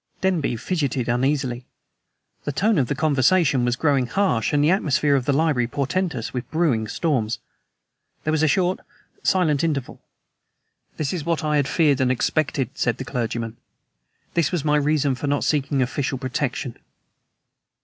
Denby fidgeted uneasily. The tone of the conversation was growing harsh and the atmosphere of the library portentous with brewing storms. There was a short, silent interval. "This is what I had feared and expected," said the clergyman. "This was my reason for not seeking official protection."